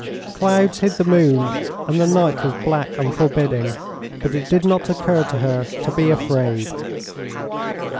Clouds hid the moon and the night was black and forbidding; but it did not occur to her to be afraid.